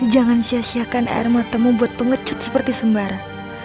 jangan sia siakan air matamu buat pengecut seperti sembara